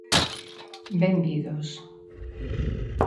Benvidos.